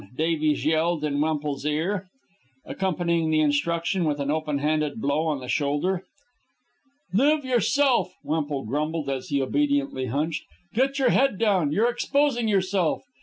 Davies yelled in Wemple's ear, accompanying the instruction with an open handed blow on the shoulder. "Live yourself," Wemple grumbled as he obediently hunched. "Get your head down. You're exposing yourself."